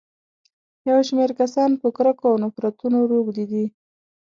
يو شمېر کسان په کرکو او نفرتونو روږدي دي.